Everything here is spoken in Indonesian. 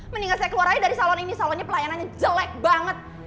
mendingan saya keluar aja dari salon ini salonnya pelayanannya jelek banget